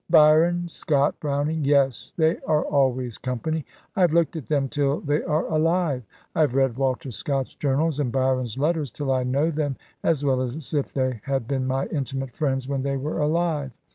"Byron, Scott, Browning. Yes, they are always company. I have looked at them till they are alive. I have read Walter Scott's journals and Byron's letters till I know them as well as if they had been my intimate friends when they were alive.